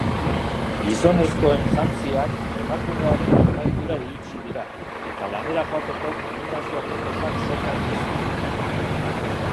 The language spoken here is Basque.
Gizonezkoen jantziak emakumearen armairura iritsi dira eta lanera joateko konbinazio aproposak sor daitezke.